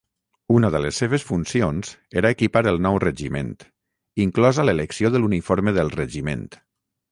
Una de les seves funcions era equipar el nou regiment, inclosa l'elecció de l'uniforme del regiment.